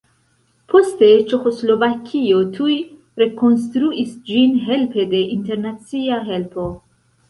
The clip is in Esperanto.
Poste Ĉeĥoslovakio tuj rekonstruis ĝin helpe de internacia helpo.